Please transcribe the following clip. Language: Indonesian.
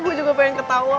gue juga pengen ketawa